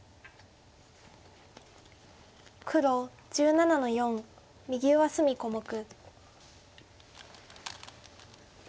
黒１７の四右上隅小目。